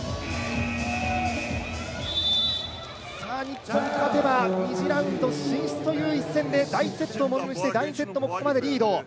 日本が勝てば２次ラウンド進出という一戦で第１セットをものにして、第２セットもここまでリード。